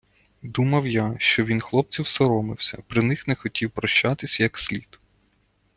Думав я, що він хлопців соромився, при них не хотів попрощатись як слід.